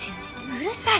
うるさい！